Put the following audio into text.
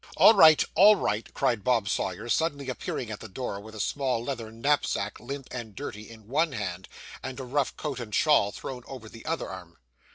'All right, all right!' cried Bob Sawyer, suddenly appearing at the door, with a small leathern knapsack, limp and dirty, in one hand, and a rough coat and shawl thrown over the other arm.